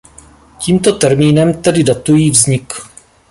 Tímto termínem tedy datují vznik.